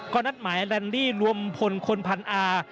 ก็นัดหมายแลนลี่รวมพลคนพันอา